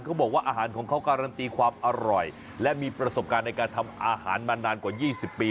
เขาบอกว่าอาหารของเขาการันตีความอร่อยและมีประสบการณ์ในการทำอาหารมานานกว่า๒๐ปี